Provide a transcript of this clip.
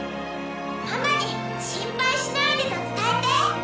ママに心配しないでと伝えて！